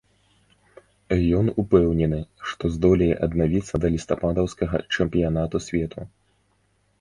Ён упэўнены, што здолее аднавіцца да лістападаўскага чэмпіянату свету.